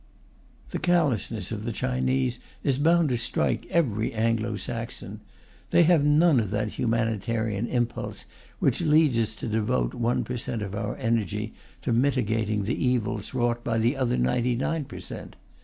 The callousness of the Chinese is bound to strike every Anglo Saxon. They have none of that humanitarian impulse which leads us to devote one per cent. of our energy to mitigating the evils wrought by the other ninety nine per cent.